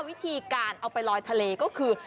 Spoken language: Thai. วิธีการเอาไปลอยทะเลก็คือ